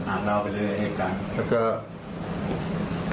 อ่านเล่าไปเลยเหตุการณ์